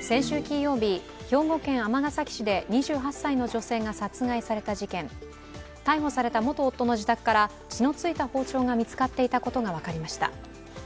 先週金曜日、兵庫県尼崎市で２８歳の女性が殺害された事件逮捕された元夫の自宅から血のついた包丁が見つかっていたことが分かりました。